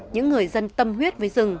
những người dân tâm huyết với rừng